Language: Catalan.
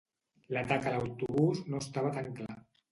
L'atac a l'autobús no estava tan clar.